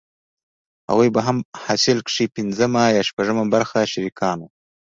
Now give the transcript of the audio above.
هغوې به هم په حاصل کښې پينځمه يا شپږمه برخه شريکان وو.